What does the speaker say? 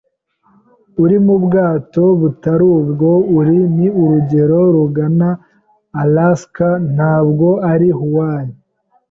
Uri mubwato butari bwo. Uru ni urugendo rugana Alaska, ntabwo ari Hawaii.